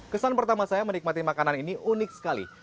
kesan pertama saya menikmati makanan ini unik sekali